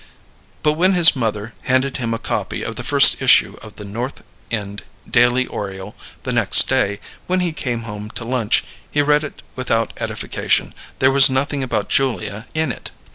But when his mother handed him a copy of the first issue of The North End Daily Oriole, the next day, when he came home to lunch, he read it without edification; there was nothing about Julia in it.